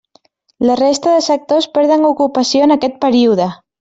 La resta de sectors perden ocupació en aquest període.